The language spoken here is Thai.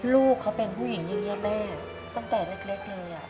ลูกเขาเป็นผู้หญิงอย่างนี้แม่ตั้งแต่เล็กเลย